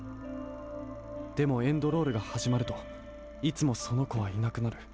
でもエンドロールがはじまるといつもそのこはいなくなる。